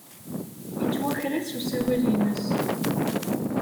Yettwaker-as usawal-nnes.